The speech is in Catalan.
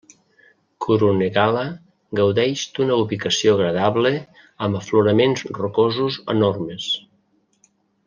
Kurunegala gaudeix d'una ubicació agradable amb afloraments rocosos enormes.